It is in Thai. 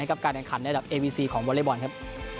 การแข่งขันในระดับเอวีซีของวอเล็กบอลครับ